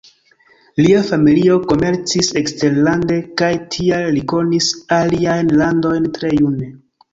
Lia familio komercis eksterlande, kaj tial li konis aliajn landojn tre june.